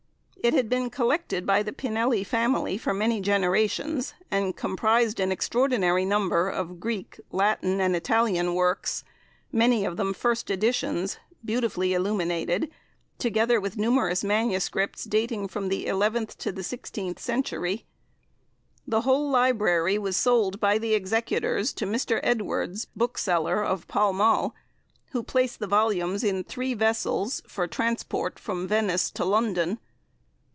It had been collected by the Pinelli family for many generations and comprised an extraordinary number of Greek, Latin, and Italian works, many of them first editions, beautifully illuminated, together with numerous MSS. dating from the 11th to the 16th century. The whole library was sold by the Executors to Mr. Edwards, bookseller, of Pall Mall, who placed the volumes in three vessels for transport from Venice to London.